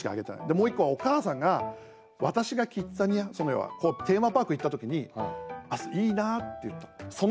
もう１個は、お母さんが私がキッザニア要はテーマパーク行った時に「いいな」って言ったの。